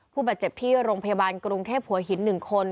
ผู้บาดเจ็บที่โรงพยาบาลกรุงเทพหัวหิน๑คน